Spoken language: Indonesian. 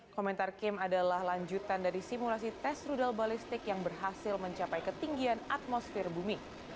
komentar kim adalah lanjutan dari simulasi tes rudal balistik yang berhasil mencapai ketinggian atmosfer bumi